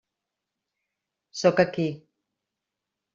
Sóc aquí.